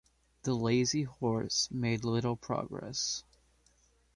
The lazy horse made little progress.